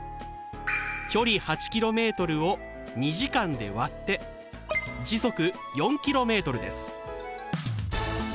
距離８ｋｍを２時間で割って時速４ｋｍです。